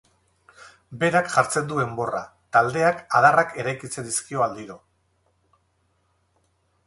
Berak jartzen du enborra, taldeak adarrak eraikitzen dizkio aldiro.